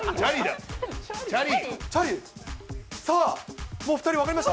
さあ、もうお２人、分かりました？